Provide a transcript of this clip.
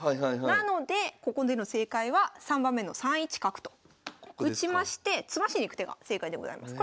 なのでここでの正解は３番目の３一角と打ちまして詰ましにいく手が正解でございます。